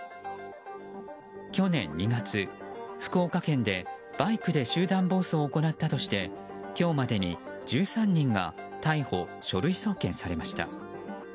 去年２月、福岡県でバイクで集団暴走を行ったとして今日までに１３人が逮捕・書類送検されました。